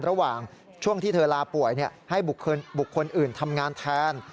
ระหว่างช่วงที่เธอลาป่วยให้บุคคลอื่นทำงานแทน